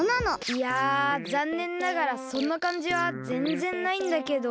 いやざんねんながらそんなかんじはぜんぜんないんだけど。